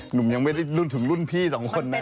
หนุ่มยังไม่ถึงรุ่นพี่สองคนนะฮะ